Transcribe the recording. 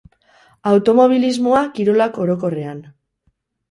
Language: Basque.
Automobilismoa, kirolak orokorrean.